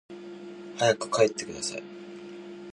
早く帰ってください